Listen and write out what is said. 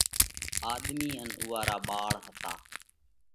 آۮمِي ان اُوئون را ٻاۯ هتا۔